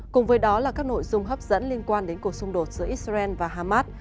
cùng với đó là các nội dung hấp dẫn liên quan đến cuộc xung đột giữa israel và hamas